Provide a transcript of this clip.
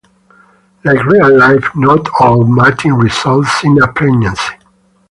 Like real life, not all mating results in a pregnancy.